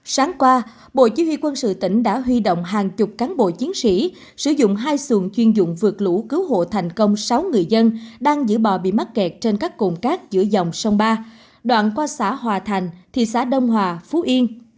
sáng qua bộ chỉ huy quân sự tỉnh đã huy động hàng chục cán bộ chiến sĩ sử dụng hai xuồng chuyên dụng vượt lũ cứu hộ thành công sáu người dân đang giữ bò bị mắc kẹt trên các cồn cát giữa dòng sông ba đoạn qua xã hòa thành thị xã đông hòa phú yên